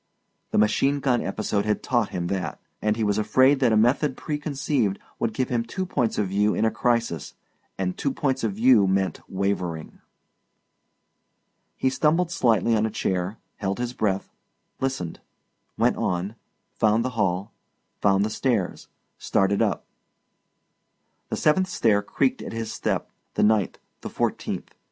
The machine gun episode had taught him that. And he was afraid that a method preconceived would give him two points of view in a crisis and two points of view meant wavering. He stumbled slightly on a chair, held his breath, listened, went on, found the hall, found the stairs, started up; the seventh stair creaked at his step, the ninth, the fourteenth.